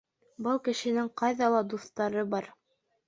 — Был кешенең ҡайҙа ла дуҫтары бар.